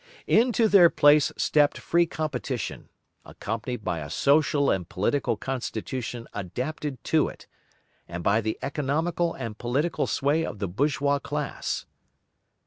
Into their place stepped free competition, accompanied by a social and political constitution adapted to it, and by the economical and political sway of the bourgeois class.